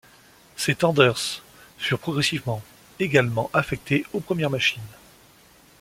Ces tenders furent progressivement également affectés aux premières machines.